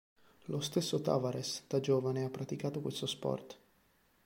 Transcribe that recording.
Lo stesso Tavares, da giovane, ha praticato questo sport.